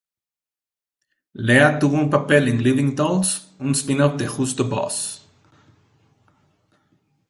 Leah tuvo un papel en "Living Dolls", un spin-off de "Who's the Boss?".